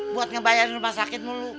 buat ngebayar di rumah sakit mulu